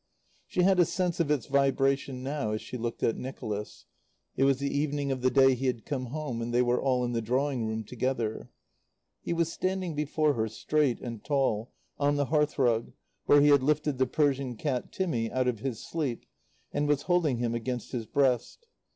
She had a sense of its vibration now, as she looked at Nicholas. It was the evening of the day he had come home, and they were all in the drawing room together. He was standing before her, straight and tall, on the hearthrug, where he had lifted the Persian cat, Timmy, out of his sleep and was holding him against his breast.